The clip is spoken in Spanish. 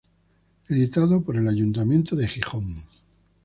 Editado por el Ayuntamiento de Gijón.